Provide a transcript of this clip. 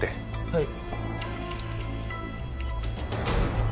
はい。